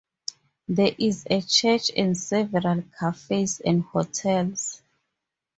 There is a church and several cafes and hotels.